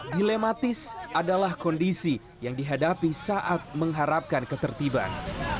dilematis adalah kondisi yang dihadapi saat mengharapkan ketertiban